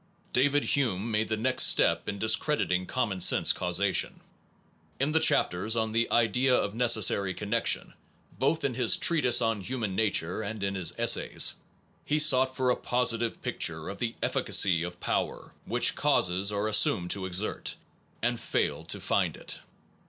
David Hume made the next step in discredit ing common sense causation. In the chapters on the idea of necessary connection both in his Treatise on Human Nature, and in his Essays, he sought for a positive picture of the efficacy of the power which causes are Hume assumed to exert, and failed to find it.